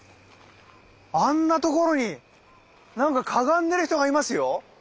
あんなところになんかかがんでる人がいますよ！